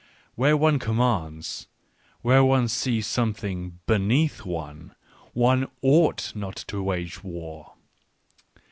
Where one commands, where one sees something beneath one, one ought not to wage war.